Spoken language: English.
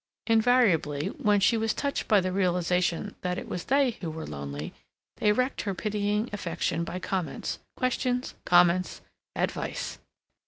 Invariably, whenever she was touched by the realization that it was they who were lonely, they wrecked her pitying affection by comments questions comments advice.